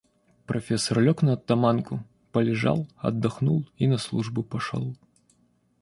Профессор лег на оттоманку, полежал, отдохнул и на службу пошел.